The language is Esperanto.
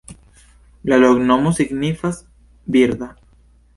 La loknomo signifas: birda.